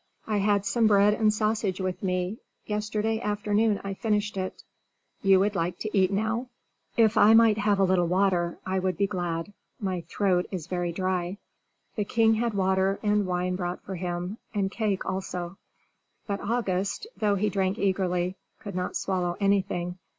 "I had some bread and sausage with me; yesterday afternoon I finished it." "You would like to eat now?" "If I might have a little water I would be glad; my throat is very dry." The king had water and wine brought for him, and cake also; but August, though he drank eagerly, could not swallow anything.